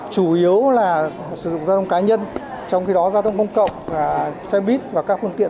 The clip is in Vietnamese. chủ yếu là sử dụng giao thông cá nhân trong khi đó giao thông công cộng xe buýt và các phương tiện